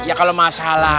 ya kalau masalah